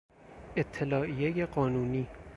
اطلاعیهی قانونی